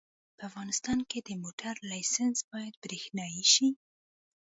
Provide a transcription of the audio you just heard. په افغانستان کې د موټر لېسنس باید برېښنایي شي